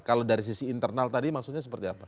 kalau dari sisi internal tadi maksudnya seperti apa